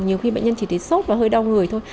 nhiều khi bệnh nhân chỉ thấy sốt và hơi đau người thôi